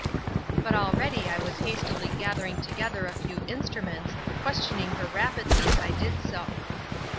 "But already I was hastily gathering together a few instruments, questioning her rapidly as I did so.